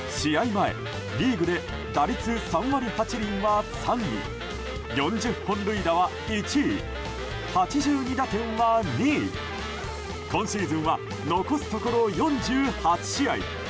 前、リーグで打率３割８厘は３位４０本塁打は１位８２打点は２位今シーズンは残すところ４８試合。